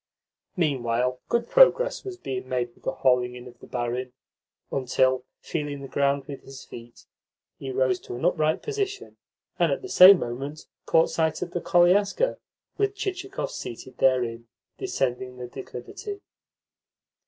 Meanwhile good progress was being made with the hauling in of the barin; until, feeling the ground with his feet, he rose to an upright position, and at the same moment caught sight of the koliaska, with Chichikov seated therein, descending the declivity.